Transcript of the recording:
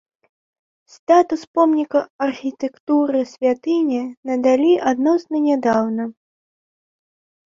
Статус помніка архітэктуры святыні надалі адносна нядаўна.